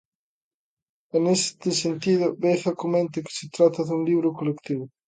E, neste sentido, Veiga comenta que se trata dun libro colectivo.